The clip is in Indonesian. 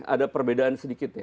ada perbedaan sedikit ya